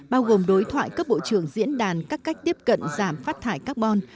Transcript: bao gồm đối thoại các bộ trưởng diễn đàn các cách tiếp cận giảm phát thải carbon